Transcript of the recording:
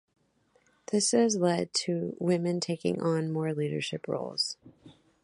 This has led to women taking on more leadership roles.